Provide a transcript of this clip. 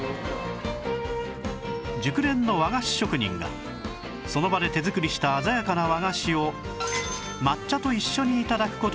熟練の和菓子職人がその場で手作りした鮮やかな和菓子を抹茶と一緒に頂く事ができるんです